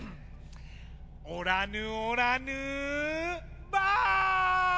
「おらぬおらぬばぁ！」。